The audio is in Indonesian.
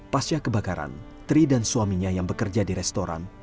pasca kebakaran tri dan suaminya yang bekerja di restoran